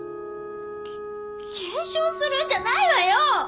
け検証するんじゃないわよ！